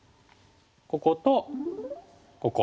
こことここ。